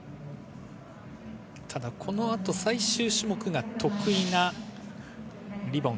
ただこのあと最終種目が得意のリボン。